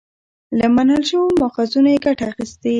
له منل شويو ماخذونو يې ګټه اخستې